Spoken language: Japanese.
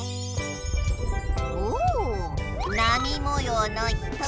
おおなみもようのヒトデ